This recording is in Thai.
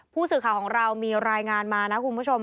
ผู้สื่อข่าวของเรามีรายงานมานะคุณผู้ชม